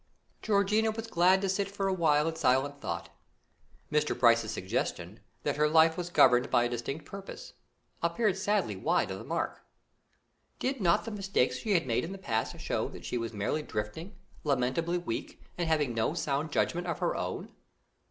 Georgiana was glad to sit for a while in silent thought. Mr. Price's suggestion, that her life was governed by a distinct purpose, appeared sadly wide of the mark. Did not the mistakes she had made in the past show that she was merely drifting, lamentably weak, and having no sound judgment of her own?